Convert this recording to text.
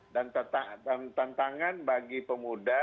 dan tantangan bagi pemuda